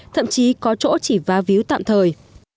thậm chí có chỗ chỉ vá víu tạm thời